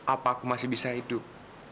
apa aku masih bisa hidup